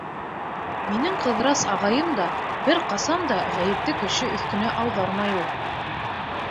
Минең Ҡыҙырас ағайым да бер ҡасан да ғәйепте кеше өҫтөнә ауҙармай ул.